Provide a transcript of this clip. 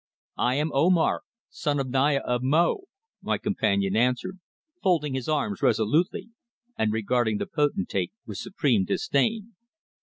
"I am Omar, son of the Naya of Mo," my companion answered, folding his arms resolutely, and regarding the potentate with supreme disdain.